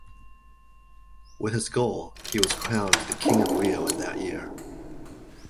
With his goal he was crowned the King of Rio in that year.